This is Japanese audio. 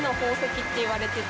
っていわれてて。